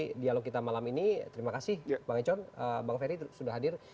di dialog kita malam ini terima kasih bang econ bang ferry sudah hadir